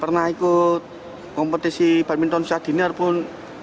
pernah ikut kompetisi badminton usia dini ataupun